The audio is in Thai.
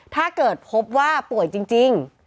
ถ้าเกิดพบว่าป่วยจริง